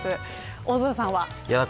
大空さんは。